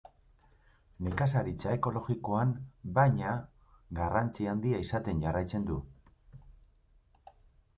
Nekazaritza ekologikoan, baina, garrantzi handia izaten jarraitzen du.